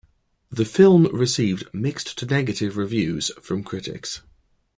The film received mixed-to-negative reviews from critics.